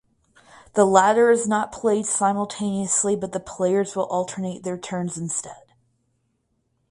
The latter is not played simultaneously but the players will alternate their turns instead.